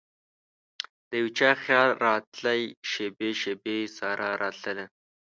دیو چا خیال راتلي شیبې ،شیبې سارا راتلله